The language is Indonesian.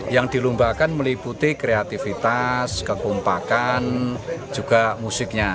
yang dilombakan meliputi kreativitas kekompakan juga musiknya